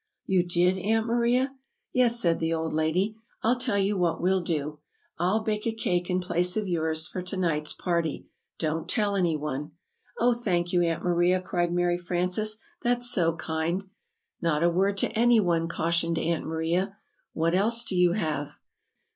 "You did, Aunt Maria?" "Yes," said the old lady. "I'll tell you what we'll do! I'll bake a cake in place of yours for to night's party. Don't tell any one." [Illustration: "It went down! down! down!"] "Oh, thank you, Aunt Maria," cried Mary Frances; "that's so kind!" "Not a word to any one!" cau tion ed Aunt Maria. "What else do you have?"